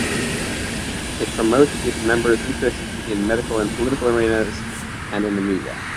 It promotes its members' interests in medical and political arenas, and in the media.